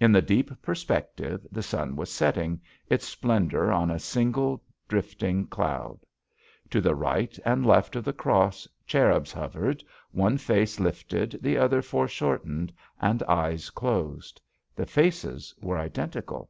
In the deep perspective, the sun was setting, its splendor on a single drifting cloud. To the right and left of the cross cherubs hovered, one face lifted, the other foreshortened, and eyes closed. The faces were identical.